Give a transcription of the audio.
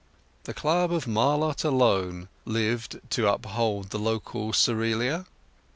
The club of Marlott alone lived to uphold the local Cerealia.